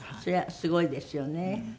それはすごいですよね。